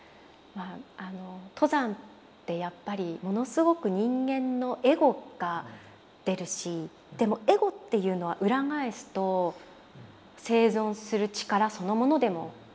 登山ってやっぱりものすごく人間のエゴが出るしでもエゴっていうのは裏返すと生存する力そのものでもあるんですよ。